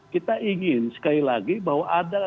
kita ingin sekali lagi bahwa ada